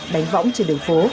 đánh võng trên đường phố